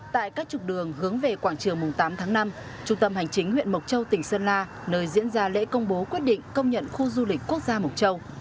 tại các trục đường hướng về quảng trường tám tháng năm trung tâm hành chính huyện mộc châu tỉnh sơn la nơi diễn ra lễ công bố quyết định công nhận khu du lịch quốc gia mộc châu